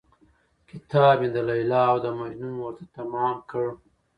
كتاب مې د ليلا او د مـجنون ورته تمام كړ.